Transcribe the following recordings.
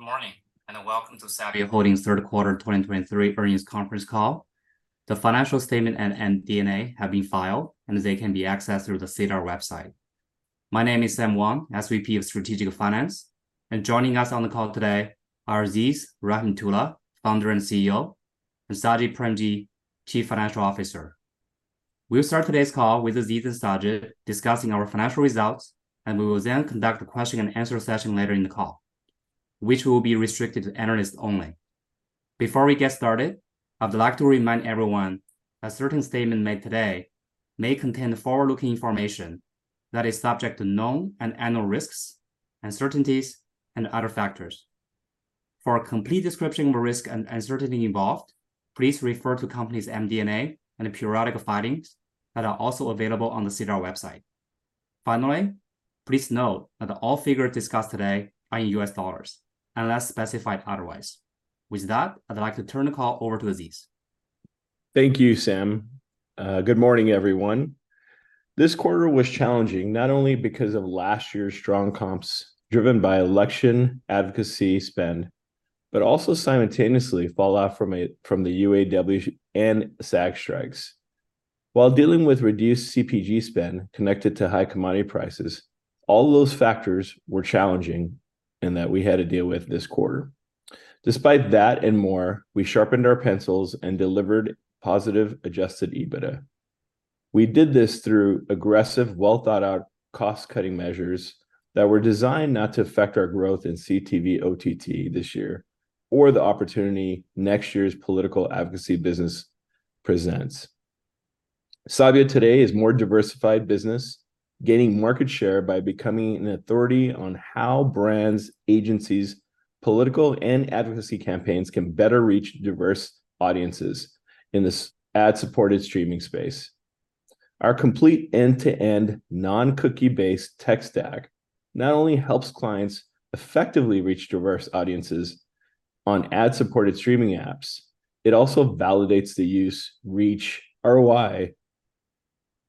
Good morning, and welcome to Sabio Holdings Third Quarter 2023 Earnings Conference Call. The financial statement and MD&A have been filed, and they can be accessed through the SEDAR website. My name is Sam Wang, SVP of Strategic Finance, and joining us on the call today are Aziz Rahimtoola, Founder and CEO, and Sajid Premji, Chief Financial Officer. We'll start today's call with Aziz and Sajid discussing our financial results, and we will then conduct a question and answer session later in the call, which will be restricted to analysts only. Before we get started, I'd like to remind everyone that certain statements made today may contain forward-looking information that is subject to known and unknown risks, uncertainties, and other factors. For a complete description of the risk and uncertainty involved, please refer to company's MD&A and periodic filings that are also available on the SEDAR website. Finally, please note that all figures discussed today are in U.S. dollars unless specified otherwise. With that, I'd like to turn the call over to Aziz. Thank you, Sam. Good morning, everyone. This quarter was challenging, not only because of last year's strong comps driven by election advocacy spend, but also simultaneously fallout from the UAW and SAG strikes. While dealing with reduced CPG spend connected to high commodity prices, all those factors were challenging and that we had to deal with this quarter. Despite that and more, we sharpened our pencils and delivered positive Adjusted EBITDA. We did this through aggressive, well-thought-out cost-cutting measures that were designed not to affect our growth in CTV OTT this year, or the opportunity next year's political advocacy business presents. Sabio today is more diversified business, gaining market share by becoming an authority on how brands, agencies, political, and advocacy campaigns can better reach diverse audiences in this ad-supported streaming space. Our complete end-to-end non-cookie-based tech stack not only helps clients effectively reach diverse audiences on ad-supported streaming apps, it also validates the use, reach, ROI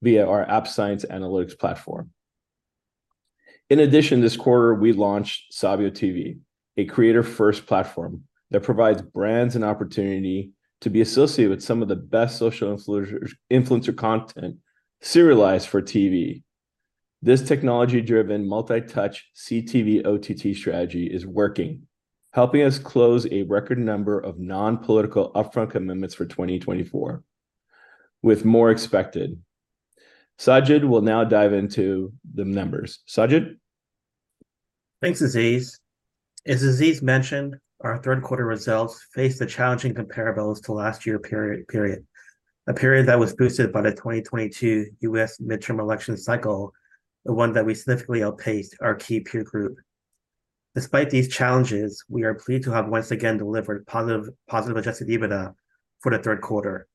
via our AppScience analytics platform. In addition, this quarter, we launched SabioTV, a creator-first platform that provides brands an opportunity to be associated with some of the best social influencers, influencer content serialized for TV. This technology-driven, multi-touch CTV OTT strategy is working, helping us close a record number of non-political upfront commitments for 2024, with more expected. Sajid will now dive into the numbers. Sajid? Thanks, Aziz. As Aziz mentioned, our third quarter results faced challenging comparables to last year period, a period that was boosted by the 2022 U.S. midterm election cycle, the one that we significantly outpaced our key peer group. Despite these challenges, we are pleased to have once again delivered positive Adjusted EBITDA for the third quarter.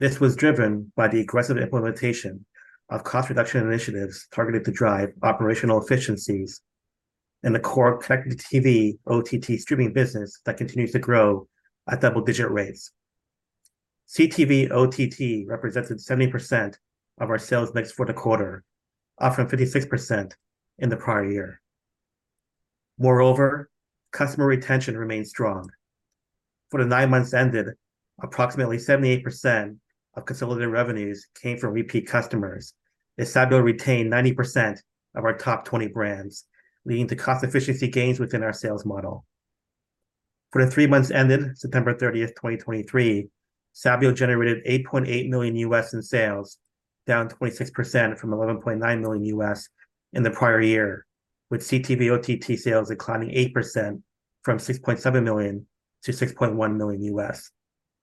This was driven by the aggressive implementation of cost reduction initiatives targeted to drive operational efficiencies and the core connected TV, OTT streaming business that continues to grow at double-digit rates. CTV OTT represented 70% of our sales mix for the quarter, up from 56% in the prior year. Moreover, customer retention remained strong. For the nine months ended, approximately 78% of consolidated revenues came from repeat customers, as Sabio retained 90% of our top 20 brands, leading to cost efficiency gains within our sales model. For the three months ended September 30th, 2023, Sabio generated $8.8 million in sales, down 26% from $11.9 million in the prior year, with CTV OTT sales declining 8% from $6.7 million-$6.1 million.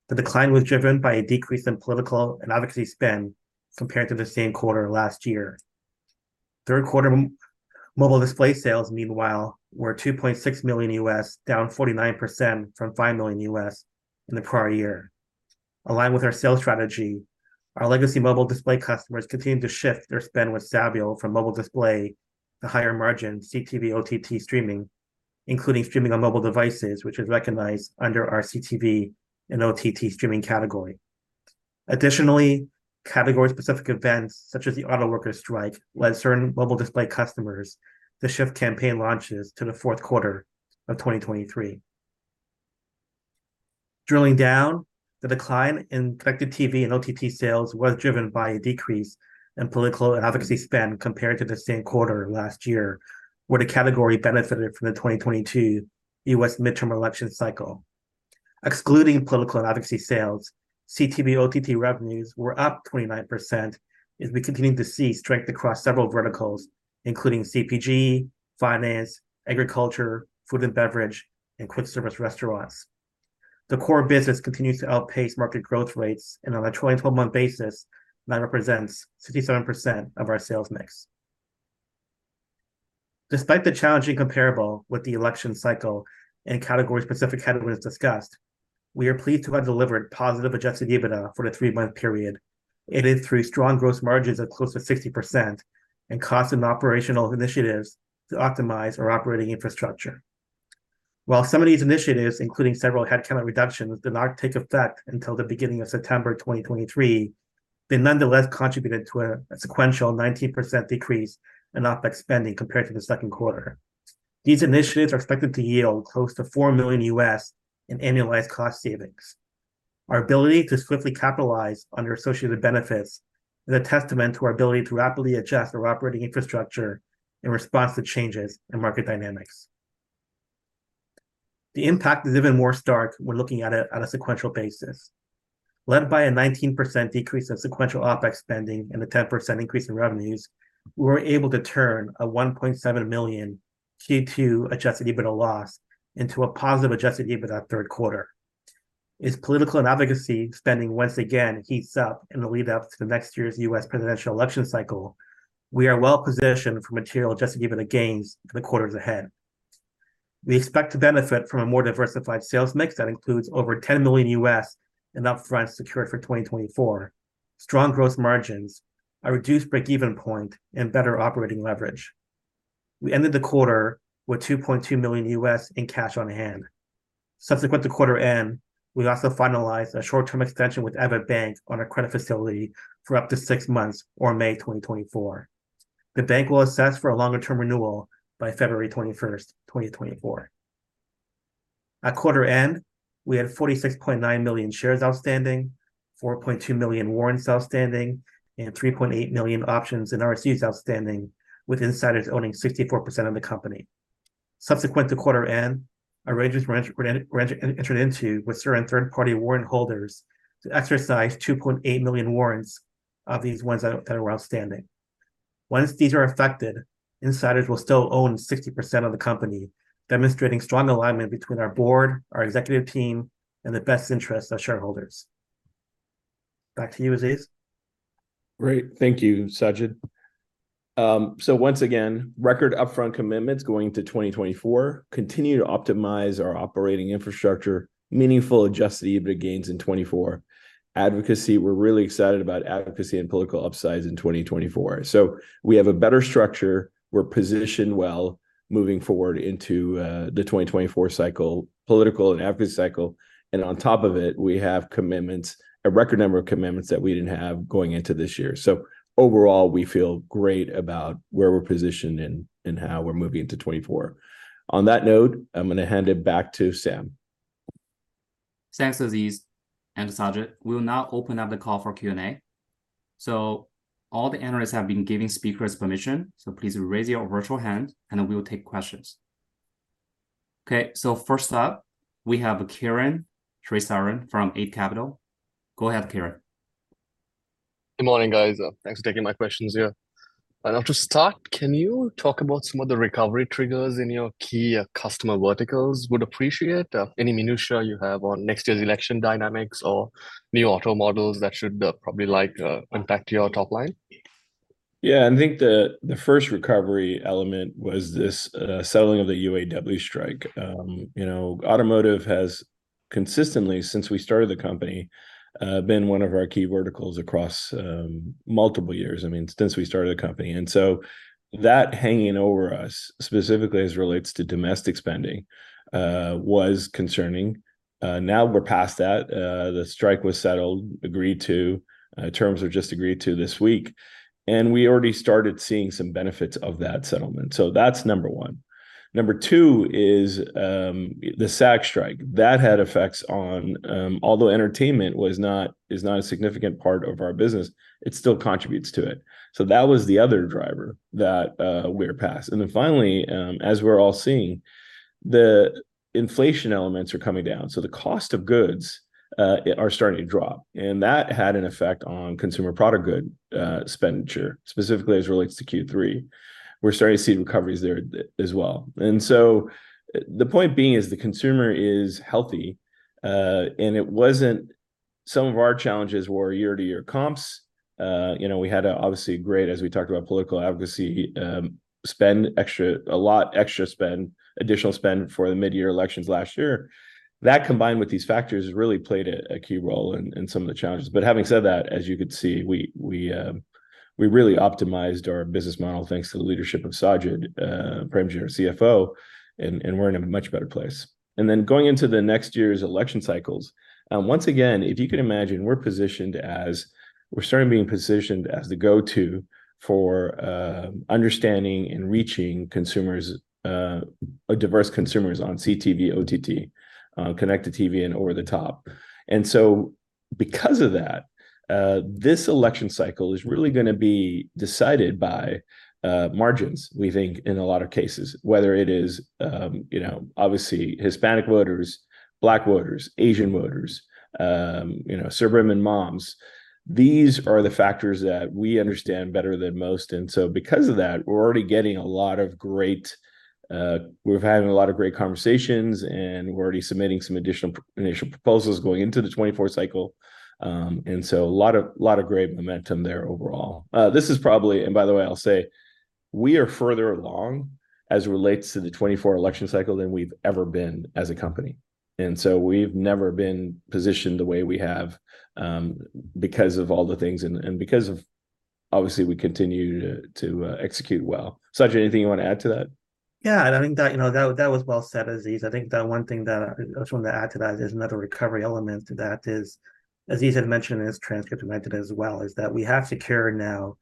The decline was driven by a decrease in political and advocacy spend compared to the same quarter last year. Third quarter mobile display sales, meanwhile, were $2.6 million, down 49% from $5 million in the prior year. Aligned with our sales strategy, our legacy mobile display customers continued to shift their spend with Sabio from mobile display to higher margin CTV OTT streaming, including streaming on mobile devices, which is recognized under our CTV and OTT streaming category. Additionally, category-specific events, such as the autoworker strike, led certain mobile display customers to shift campaign launches to the fourth quarter of 2023. Drilling down, the decline in connected TV and OTT sales was driven by a decrease in political and advocacy spend compared to the same quarter last year, where the category benefited from the 2022 U.S. midterm election cycle. Excluding political and advocacy sales, CTV OTT revenues were up 29% as we continued to see strength across several verticals, including CPG, finance, agriculture, food and beverage, and quick service restaurants. The core business continues to outpace market growth rates, and on a 12-month basis, that represents 67% of our sales mix. Despite the challenging comparable with the election cycle and category-specific categories discussed, we are pleased to have delivered positive Adjusted EBITDA for the three-month period, aided through strong gross margins of close to 60% and cost and operational initiatives to optimize our operating infrastructure. While some of these initiatives, including several headcount reductions, did not take effect until the beginning of September 2023, they nonetheless contributed to a sequential 19% decrease in OpEx spending compared to the second quarter. These initiatives are expected to yield close to $4 million in annualized cost savings. Our ability to swiftly capitalize on their associated benefits is a testament to our ability to rapidly adjust our operating infrastructure in response to changes in market dynamics. The impact is even more stark when looking at it on a sequential basis. Led by a 19% decrease in sequential OpEx spending and a 10% increase in revenues, we were able to turn a $1.7 million Q2 Adjusted EBITDA loss into a positive Adjusted EBITDA third quarter. As political and advocacy spending once again heats up in the lead-up to the next year's U.S. presidential election cycle, we are well-positioned for material Adjusted EBITDA gains in the quarters ahead. We expect to benefit from a more diversified sales mix that includes over $10 million in upfront secure for 2024, strong gross margins, a reduced break-even point, and better operating leverage. We ended the quarter with $2.2 million in cash on hand. Subsequent to quarter end, we also finalized a short-term extension with Avidbank on a credit facility for up to 6 months or May 2024. The bank will assess for a longer-term renewal by February 21st, 2024. At quarter end, we had 46.9 million shares outstanding, 4.2 million warrants outstanding, and 3.8 million options and RSU outstanding, with insiders owning 64% of the company. Subsequent to quarter end, arrangements were entered into with certain third-party warrant holders to exercise 2.8 million warrants of these ones that are outstanding. Once these are effected, insiders will still own 60% of the company, demonstrating strong alignment between our board, our executive team, and the best interest of shareholders. Back to you, Aziz. Great. Thank you, Sajid. So once again, record upfront commitments going to 2024, continue to optimize our operating infrastructure, meaningful Adjusted EBITDA gains in 2024. Advocacy, we're really excited about advocacy and political upsides in 2024. So we have a better structure. We're positioned well moving forward into the 2024 cycle, political and advocacy cycle, and on top of it, we have commitments, a record number of commitments that we didn't have going into this year. So overall, we feel great about where we're positioned and, and how we're moving into 2024. On that note, I'm gonna hand it back to Sam. Thanks, Aziz and Sajid. We'll now open up the call for Q&A. So all the analysts have been given speakers permission, so please raise your virtual hand, and then we will take questions. Okay, so first up, we have Kiran Sritharan from Eight Capital. Go ahead, Kiran. Good morning, guys. Thanks for taking my questions here. And to start, can you talk about some of the recovery triggers in your key customer verticals? Would appreciate any minutiae you have on next year's election dynamics or new auto models that should probably like impact your top line. Yeah, I think the first recovery element was this settling of the UAW strike. You know, automotive has consistently, since we started the company, been one of our key verticals across multiple years, I mean, since we started the company. And so that hanging over us, specifically as it relates to domestic spending, was concerning. Now we're past that. The strike was settled, agreed to terms were just agreed to this week, and we already started seeing some benefits of that settlement. So that's number one. Number two is the SAG strike. That had effects on, although entertainment was not, is not a significant part of our business, it still contributes to it. So that was the other driver that we're past. And then finally, as we're all seeing, the inflation elements are coming down, so the cost of goods are starting to drop, and that had an effect on consumer product goods expenditure, specifically as it relates to Q3. We're starting to see recoveries there as well. And so the point being is the consumer is healthy, and it wasn't... Some of our challenges were year-to-year comps. You know, we had a obviously great, as we talked about political advocacy, spend extra, a lot extra spend, additional spend for the mid-year elections last year. That, combined with these factors, has really played a key role in some of the challenges. But having said that, as you could see, we really optimized our business model, thanks to the leadership of Sajid Premji, our CFO, and we're in a much better place. And then going into the next year's election cycles, once again, if you can imagine, we're starting being positioned as the go-to for understanding and reaching consumers, diverse consumers on CTV, OTT, connected TV and over the top. And so because of that, this election cycle is really gonna be decided by margins, we think, in a lot of cases. Whether it is, you know, obviously, Hispanic voters, Black voters, Asian voters, you know, suburban moms, these are the factors that we understand better than most. And so because of that, we're already getting a lot of great, we're having a lot of great conversations, and we're already submitting some additional initial proposals going into the 2024 cycle. And so a lot of, lot of great momentum there overall. This is probably... And by the way, I'll say, we are further along as it relates to the 2024 election cycle than we've ever been as a company, and so we've never been positioned the way we have, because of all the things and, and because of-... obviously, we continue to execute well. Sajid, anything you wanna add to that? Yeah, I think that, you know, that, that was well said, Aziz. I think the one thing that I, I just want to add to that is another recovery element to that is, as Aziz had mentioned in his transcript, and I did as well, is that we have secured now,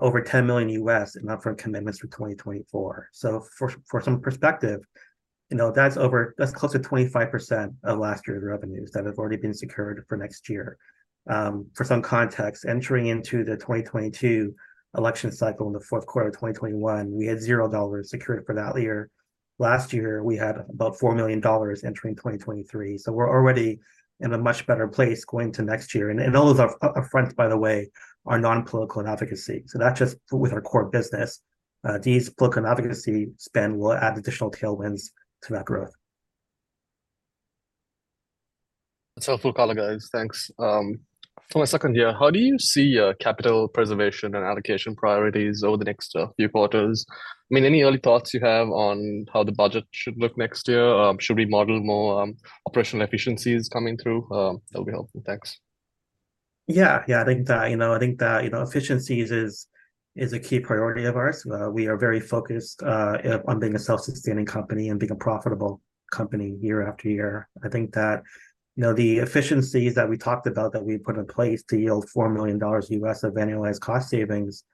over $10 million in upfront commitments for 2024. So for, for some perspective, you know, that's over-- that's close to 25% of last year's revenues that have already been secured for next year. For some context, entering into the 2022 election cycle, in the fourth quarter of 2021, we had $0 secured for that year. Last year, we had about $4 million secured entering 2023, so we're already in a much better place going to next year. All of those are upfront, by the way, are non-political and advocacy. So that's just with our core business. These political and advocacy spend will add additional tailwinds to that growth. That's helpful, caller guys, thanks. For my second year, how do you see capital preservation and allocation priorities over the next few quarters? I mean, any early thoughts you have on how the budget should look next year, should we model more operational efficiencies coming through? That'll be helpful. Thanks. Yeah. Yeah, I think that, you know, I think that, you know, efficiencies is a key priority of ours. We are very focused on being a self-sustaining company and being a profitable company year after year. I think that, you know, the efficiencies that we talked about that we put in place to yield $4 million of annualized cost savings,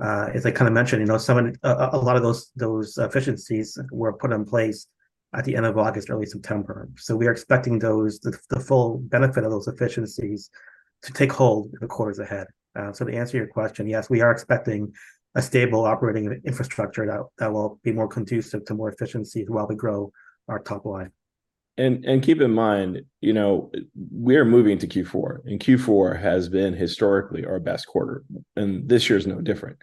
as I kind of mentioned, you know, some of, a lot of those, those efficiencies were put in place at the end of August, early September. So we are expecting those, the full benefit of those efficiencies to take hold in the quarters ahead. So to answer your question, yes, we are expecting a stable operating infrastructure that will be more conducive to more efficiency while we grow our top line. Keep in mind, you know, we are moving to Q4, and Q4 has been historically our best quarter, and this year is no different.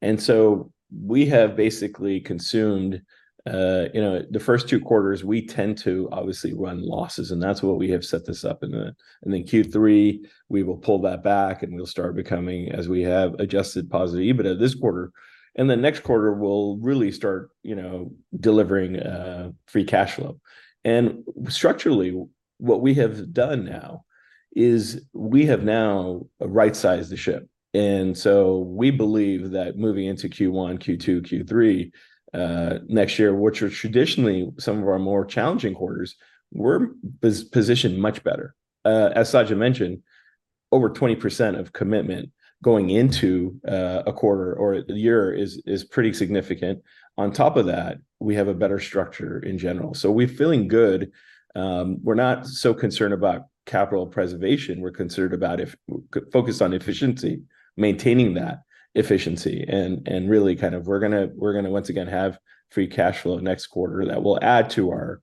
And so we have basically consumed, you know, the first two quarters, we tend to obviously run losses, and that's what we have set this up. And then Q3, we will pull that back, and we'll start becoming, as we have, Adjusted Positive EBITDA this quarter. And the next quarter, we'll really start, you know, delivering, free cash flow. And structurally, what we have done now is we have now right-sized the ship. And so we believe that moving into Q1, Q2, Q3, next year, which are traditionally some of our more challenging quarters, we're positioned much better. As Sajid mentioned, over 20% of commitment going into a quarter or a year is pretty significant. On top of that, we have a better structure in general. So we're feeling good. We're not so concerned about capital preservation, we're focused on efficiency, maintaining that efficiency, and really kind of we're gonna once again have free cash flow next quarter that will add to our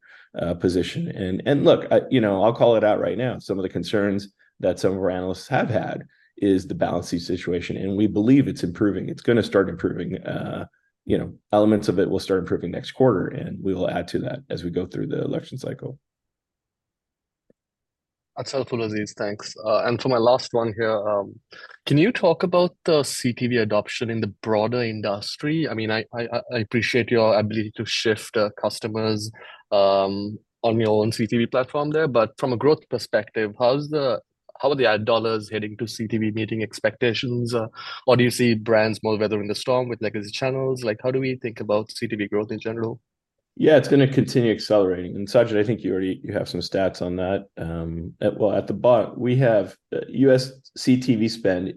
position. And look, you know, I'll call it out right now, some of the concerns that some of our analysts have had is the balance sheet situation, and we believe it's improving. It's gonna start improving, you know, elements of it will start improving next quarter, and we will add to that as we go through the election cycle. That's helpful, Aziz. Thanks. For my last one here, can you talk about the CTV adoption in the broader industry? I mean, I appreciate your ability to shift customers on your own CTV platform there, but from a growth perspective, how are the ad dollars heading to CTV meeting expectations? Or do you see brands more weathering the storm with legacy channels? Like, how do we think about CTV growth in general? Yeah, it's gonna continue accelerating. And Sajid, I think you already, you have some stats on that. Well, at the bottom, we have U.S. CTV spend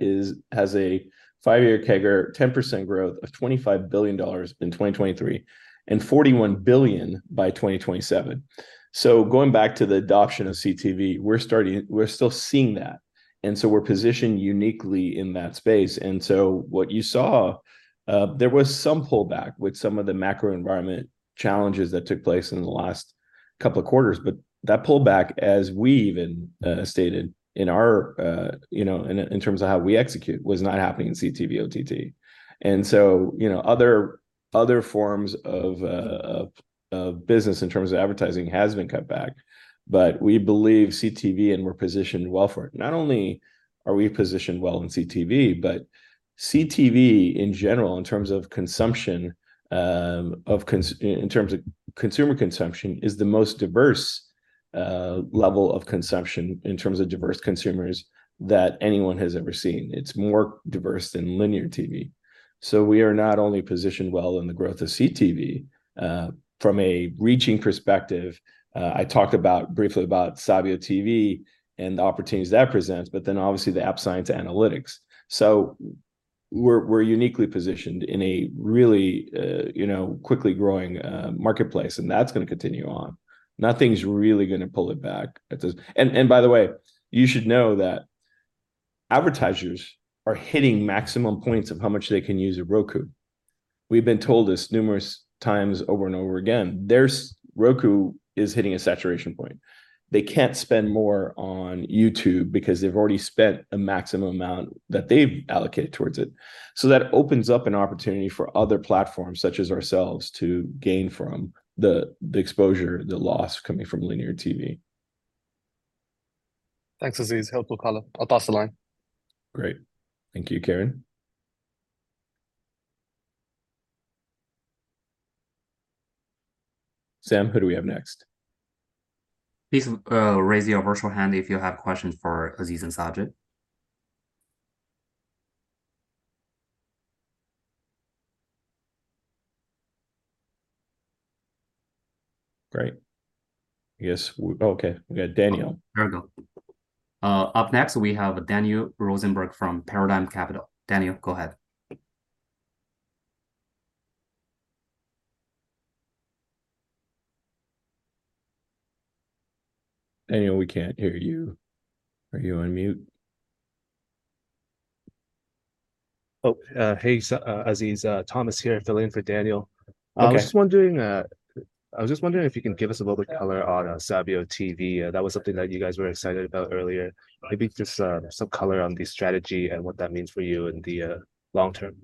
has a 5-year CAGR, 10% growth of $25 billion in 2023, and $41 billion by 2027. So going back to the adoption of CTV, we're starting. We're still seeing that, and so we're positioned uniquely in that space. And so what you saw, there was some pullback with some of the macro environment challenges that took place in the last couple of quarters, but that pullback, as we even stated in our, you know, in terms of how we execute, was not happening in CTV OTT. And so, you know, other forms of business in terms of advertising has been cut back. But we believe CTV, and we're positioned well for it. Not only are we positioned well in CTV, but CTV in general, in terms of consumption, in terms of consumer consumption, is the most diverse level of consumption in terms of diverse consumers that anyone has ever seen. It's more diverse than linear TV. So we are not only positioned well in the growth of CTV, from a reaching perspective, I talked about, briefly about SabioTV and the opportunities that presents, but then obviously the AppScience analytics. So we're, we're uniquely positioned in a really, you know, quickly growing marketplace, and that's gonna continue on. Nothing's really gonna pull it back. And by the way, you should know that advertisers are hitting maximum points of how much they can use a Roku. We've been told this numerous times over and over again. Roku is hitting a saturation point. They can't spend more on YouTube because they've already spent a maximum amount that they've allocated towards it. So that opens up an opportunity for other platforms, such as ourselves, to gain from the exposure, the loss coming from linear TV. Thanks, Aziz. Helpful call. I'll pass the line. Great. Thank you. Kiran?... Sam, who do we have next? Please, raise your virtual hand if you have questions for Aziz and Sajid. Great. I guess, okay, we got Daniel. There we go. Up next, we have Daniel Rosenberg from Paradigm Capital. Daniel, go ahead. Daniel, we can't hear you. Are you on mute? Oh, hey, Aziz, Thomas here, filling in for Daniel. Okay. I was just wondering if you can give us a little bit color on SabioTV. That was something that you guys were excited about earlier. Maybe just some color on the strategy and what that means for you in the long term.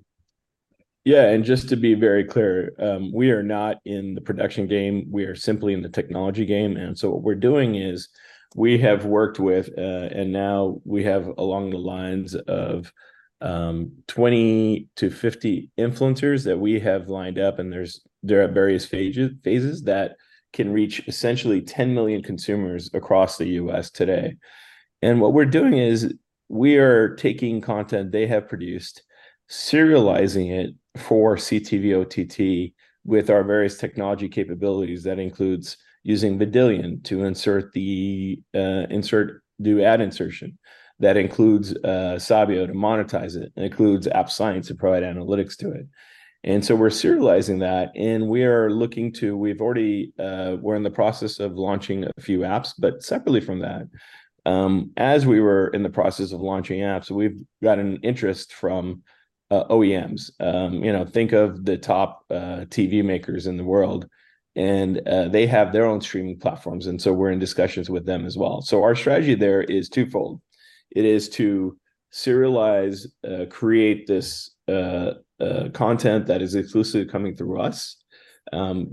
Yeah, and just to be very clear, we are not in the production game, we are simply in the technology game. And so what we're doing is we have worked with, and now we have along the lines of 20-50 influencers that we have lined up, and they're at various phases, phases that can reach essentially 10 million consumers across the U.S. today. And what we're doing is we're taking content they have produced, serializing it for CTV OTT with our various technology capabilities. That includes using Vidillion to insert the, insert, do ad insertion. That includes, Sabio to monetize it, and includes AppScience to provide analytics to it. And so we're serializing that, and we are looking to... We're in the process of launching a few apps, but separately from that, as we were in the process of launching apps, we've got an interest from OEMs. You know, think of the top TV makers in the world, and they have their own streaming platforms, and so we're in discussions with them as well. So our strategy there is twofold: It is to serialize, create this content that is exclusively coming through us,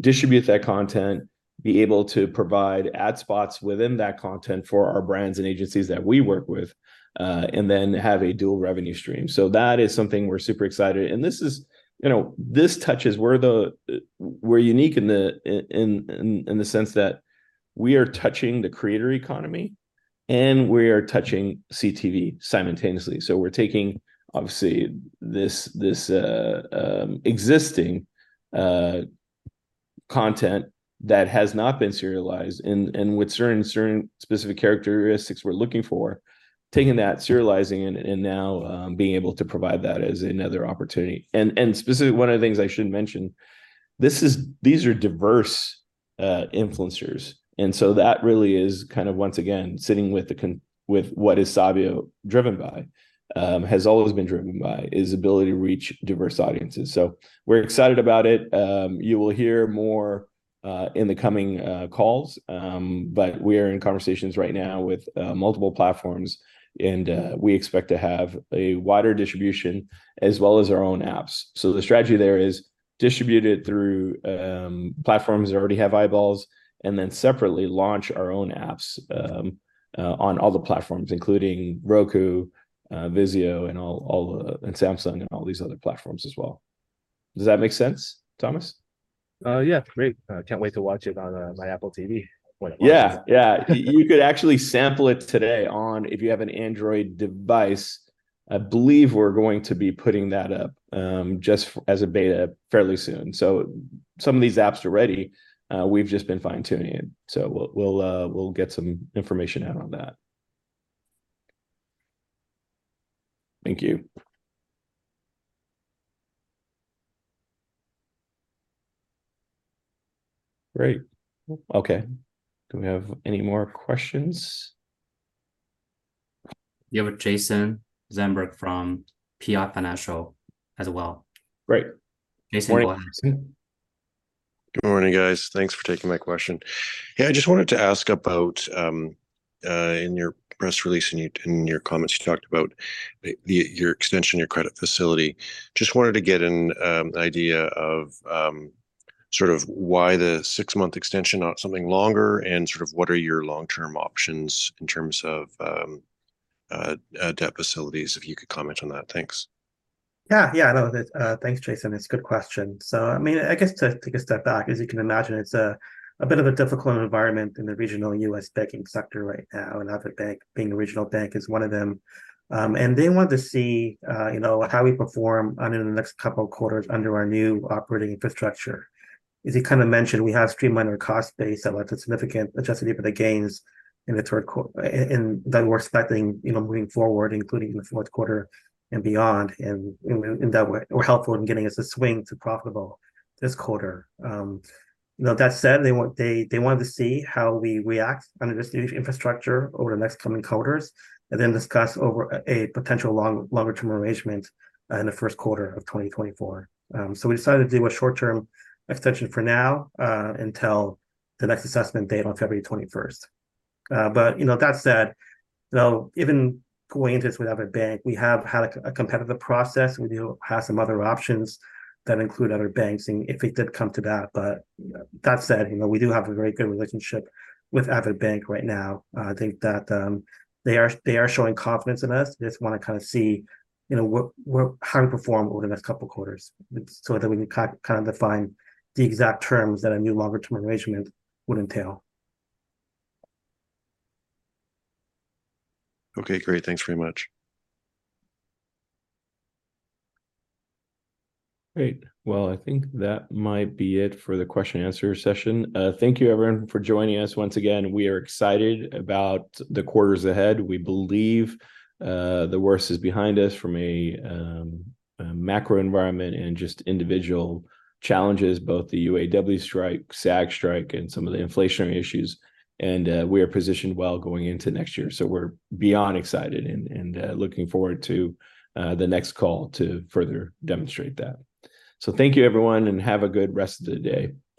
distribute that content, be able to provide ad spots within that content for our brands and agencies that we work with, and then have a dual revenue stream. So that is something we're super excited, and this is, you know, this touches. We're unique in the sense that we are touching the creator economy, and we are touching CTV simultaneously. So we're taking, obviously, this existing content that has not been serialized, and with certain specific characteristics we're looking for, taking that, serializing it, and now being able to provide that as another opportunity. And specifically, one of the things I shouldn't mention, these are diverse influencers, and so that really is kind of, once again, sitting with what is Sabio driven by, has always been driven by, is ability to reach diverse audiences. So we're excited about it. You will hear more in the coming calls. But we are in conversations right now with multiple platforms, and we expect to have a wider distribution, as well as our own apps. So the strategy there is distributed through platforms that already have eyeballs, and then separately launch our own apps on all the platforms, including Roku, Vizio, and Samsung, and all these other platforms as well. Does that make sense, Thomas? Yeah. Great. I can't wait to watch it on my Apple TV when it launches. Yeah, yeah. You could actually sample it today on, if you have an Android device, I believe we're going to be putting that up, just as a beta fairly soon. So some of these apps are ready, we've just been fine-tuning it. So we'll get some information out on that. Thank you. Great. Okay. Do we have any more questions? We have a Jason Zandberg from PI Financial as well. Great. Jason, go ahead. Good morning, guys. Thanks for taking my question. Yeah, I just wanted to ask about, in your press release and your, in your comments, you talked about the your extension, your credit facility. Just wanted to get an idea of, sort of why the six-month extension, not something longer, and sort of what are your long-term options in terms of debt facilities, if you could comment on that. Thanks. Yeah, yeah. No, that. Thanks, Jason. It's a good question. So I mean, I guess to take a step back, as you can imagine, it's a bit of a difficult environment in the regional U.S. banking sector right now, and Avid Bank, being a regional bank, is one of them. And they want to see, you know, how we perform in the next couple of quarters under our new operating infrastructure. As you kind of mentioned, we have streamlined our cost base, that led to significant Adjusted EBITDA gains in the third quarter, and that we're expecting, you know, moving forward, including in the fourth quarter and beyond, and in that way. We're helpful in getting us to swing to profitable this quarter. You know, that said, they wanted to see how we react under this new infrastructure over the next coming quarters, and then discuss a potential longer-term arrangement in the first quarter of 2024. So we decided to do a short-term extension for now, until the next assessment date on February 21st. But, you know, that said, though, even going into this with Avidbank, we have had a competitive process. We do have some other options that include other banks, and if it did come to that, but that said, you know, we do have a very good relationship with Avidbank right now. I think that they are showing confidence in us. They just wanna kind of see, you know, what, how we perform over the next couple of quarters, so that we can kind of define the exact terms that a new longer term arrangement would entail. Okay, great. Thanks very much. Great. Well, I think that might be it for the question and answer session. Thank you, everyone, for joining us once again. We are excited about the quarters ahead. We believe the worst is behind us from a macro environment and just individual challenges, both the UAW strike, SAG strike, and some of the inflationary issues, and we are positioned well going into next year. So we're beyond excited and looking forward to the next call to further demonstrate that. So thank you, everyone, and have a good rest of the day.